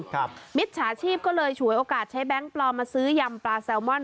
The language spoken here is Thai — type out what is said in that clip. มิจฉาชีพก็เลยฉวยโอกาสใช้แบงค์ปลอมมาซื้อยำปลาแซลมอน